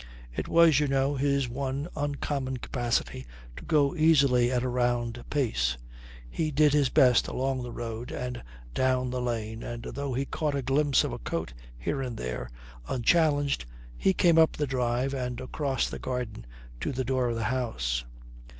It was, you know, his one uncommon capacity to go easily at a round pace. He did his best along the road and down the lane and, though he caught a glimpse of a coat here and there, unchallenged he came up the drive and across the garden to the door of the house.